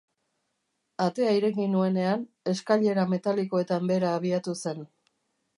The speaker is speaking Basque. Atea ireki nuenean, eskailera metalikoetan behera abiatua zen.